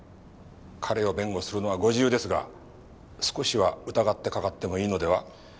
彼を弁護するのはご自由ですが少しは疑ってかかってもいいのでは？